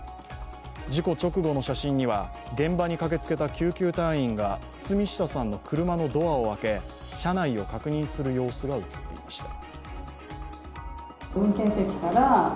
事故直後の写真には、現場に駆けつけた救急隊員が堤下さんの車のドアを開け車内を確認する様子が写っていました。